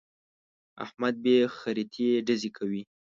احمد بې خريطې ډزې کوي.